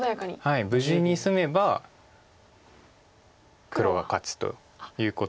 はい無事に済めば黒が勝つということなので。